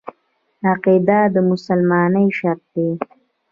عقیده د مسلمانۍ شرط دی.